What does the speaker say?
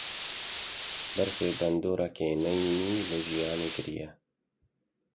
Berfê bandoreke neyînî li jiyanê kiriye